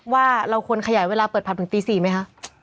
ว่าเราควรขยายเวลาเปิดผับถึงตี๔ไหมคะ